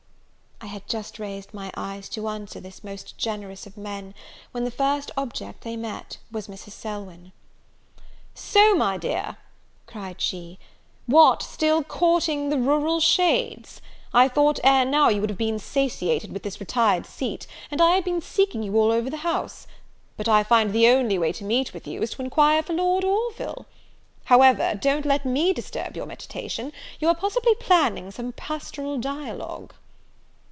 I had just raised my eyes to answer this most generous of men, when the first object they met was Mrs. Selwyn. "So, my dear," cried she, "what, still courting the rural shades! I thought ere now you would have been satiated with this retired seat, and I have been seeking you all over the house. But I find the only way to meet with you, is to enquire for Lord Orville. However, don't let me disturb your meditation; you are possibly planning some pastoral dialogue."